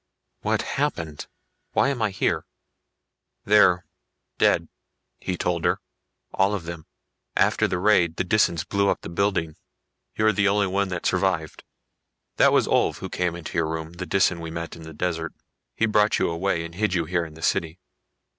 "What happened? Why am I here?" "They're ... dead," he told her. "All of them. After the raid the Disans blew up the building. You're the only one that survived. That was Ulv who came into your room, the Disan we met in the desert. He brought you away and hid you here in the city."